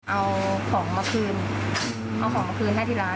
เอาของมาคืนเอาของมาคืนให้ที่ร้าน